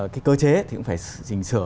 thì cũng phải trình sửa